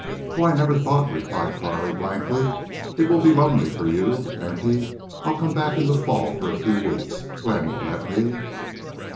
"Oh, I never thought!" replied Carley, blankly. "It will be lonely for you. Auntie, I'll come back in the fall for a few weeks. Glenn will let me."